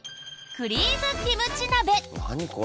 クリームキムチ鍋。